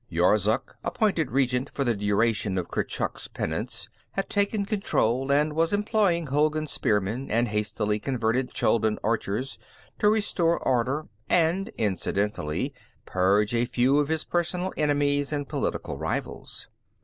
Yorzuk, appointed regent for the duration of Kurchuk's penance, had taken control and was employing Hulgun spearmen and hastily converted Chuldun archers to restore order and, incidentally, purge a few of his personal enemies and political rivals.